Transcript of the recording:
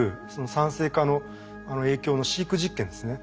酸性化の影響の飼育実験ですね